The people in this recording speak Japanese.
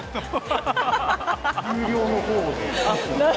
有料のほうで。